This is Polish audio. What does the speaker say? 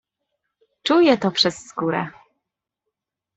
"Czuję to przez skórę."